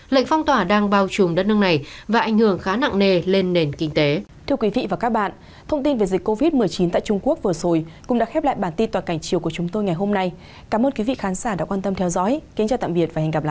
lệnh phong tỏa đang bao trùm đất nước này và ảnh hưởng khá nặng nề lên nền kinh tế